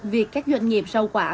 việc các doanh nghiệp rau quả